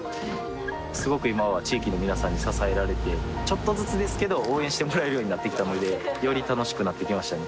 すごく今は地域の皆さんに支えられてちょっとずつですけど応援してもらえるようになってきたのでより楽しくなってきましたね